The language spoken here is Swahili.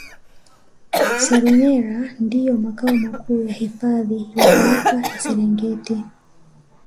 Seronera ndio makao makuu ya hifadhi ya Taifa ya Serengeti